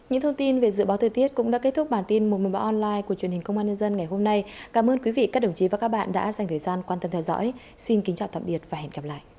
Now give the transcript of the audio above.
hãy đăng kí cho kênh lalaschool để không bỏ lỡ những video hấp dẫn